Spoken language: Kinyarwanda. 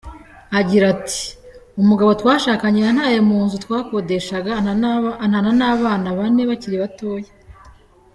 Agira ati “Umugabo twashakanye yantaye mu nzu twakodeshaga, antana abana bane bakiri batoya.